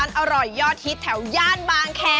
เดี๋ยวผมพาไป